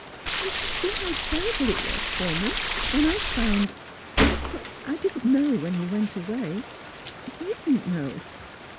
You can see how ter rible it was for me, when I — I found — I didn't know when he went away. He didn't know.